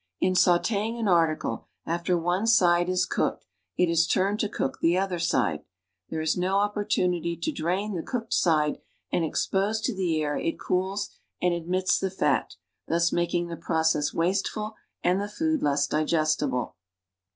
In sauteing an article, after one side is cooked, it is turned to cook the other side; there is no opportunity to drain the cooked side, and, exposed to the air, it cools and admits the fat, thus making the process wasteful and the food less digestible.